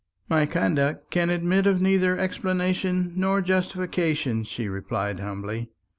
"My conduct can admit of neither explanation nor justification," she replied humbly.